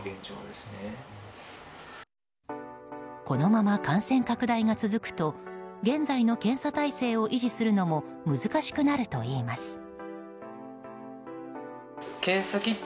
このまま感染拡大が続くと現在の検査態勢を維持するのも難しくなるといいます。